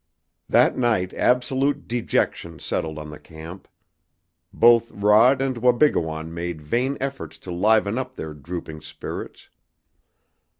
That night absolute dejection settled on the camp. Both Rod and Wabigoon made vain efforts to liven up their drooping spirits.